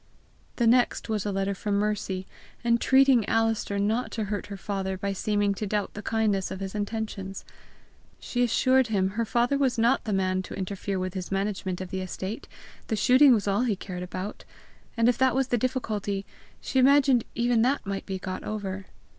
The next was a letter from Mercy, entreating Alister not to hurt her father by seeming to doubt the kindness of his intentions. She assured him her father was not the man to interfere with his management of the estate, the shooting was all he cared about; and if that was the difficulty, she imagined even that might be got over.